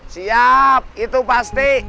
siap itu pasti